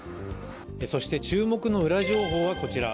そして、注目のウラ情報はこちら。